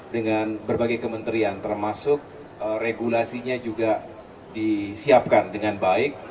dengan berbagai kementerian termasuk regulasinya juga disiapkan dengan baik